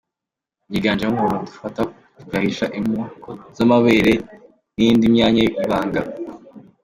Yiganjemo utuntu dufata tugahisha imoko z’amabere n’indi myanya y’ibanga.